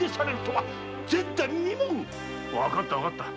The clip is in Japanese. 分かった分かった。